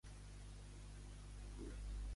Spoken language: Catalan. Quin propòsit tenia Apep?